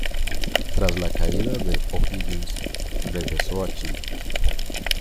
Tras la caída de O’Higgins, regresó a Chile.